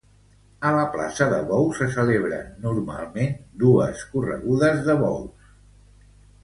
A la plaça de bous se celebren normalment dos corregudes de bous.